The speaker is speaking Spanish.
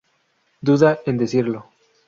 duda en decirlo